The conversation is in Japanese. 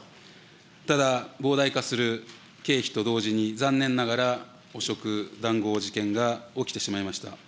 ただ膨大化する経費と同時に、残念ながら、汚職、談合事件が起きてしまいました。